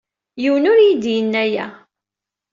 Yiwen ur iyi-d-yenni aya.